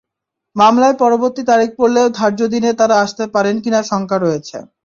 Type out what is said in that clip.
মামলায় পরবর্তী তারিখ পড়লেও ধার্য দিনে তাঁরা আসতে পারেন কিনা শঙ্কা রয়েছে।